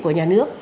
của nhà nước